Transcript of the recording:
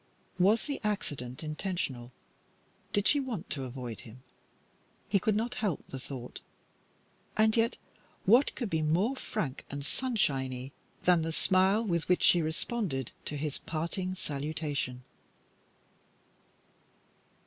Was the accident intentional? Did she want to avoid him? he could not help the thought, and yet what could be more frank and sunshiny than the smile with which she responded to his parting salutation?